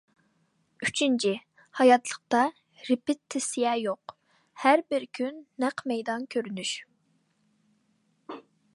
ئۈچىنچى، ھاياتلىقتا رېپېتىتسىيە يوق، ھەربىر كۈن نەق مەيدان كۆرۈنۈش.